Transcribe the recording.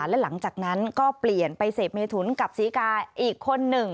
และหลังจากนั้นก็เปลี่ยนไปเสพเมถุนกับศรีกาอีกคนหนึ่ง